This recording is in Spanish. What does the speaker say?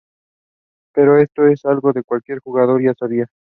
Pero esto es algo que cualquier jugador ya sabía.